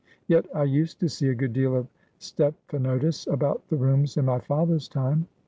' Yet I used to see a good deal of stephanotis about the rooms in my father's time.'